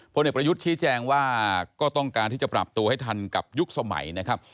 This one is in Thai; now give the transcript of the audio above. เด็กประยุทธ์ชี้แจงว่าก็ต้องการที่จะปรับตัวให้ทันกับยุคสมัยนะครับ